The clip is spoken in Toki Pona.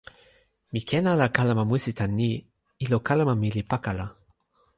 mi ken ala kalama musi tan ni: ilo kalama mi li pakala.